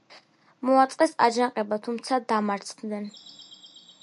მოაწყეს აჯანყება, თუმცა დამარცხდნენ.